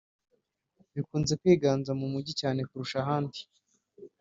bikunze kwiganza mu mijyi cyane kurusha ahandi